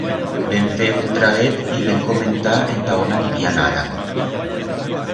Vem fer un traguet y vem comentar enta aón anirían ara.